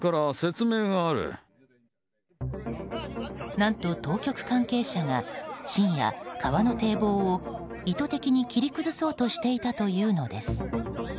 何と、当局関係者が深夜、川の堤防を意図的に切り崩そうとしていたというのです。